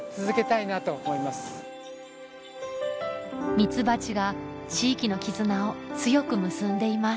ミツバチが地域の絆を強く結んでいます